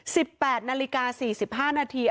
สิบแปดนาฬิกา๔๕นาที